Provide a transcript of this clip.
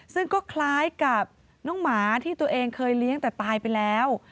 ซึ่งก็คล้ายกับน้องหมาที่ตัวเองเคยเลี้ยงแต่ตายไปแล้ว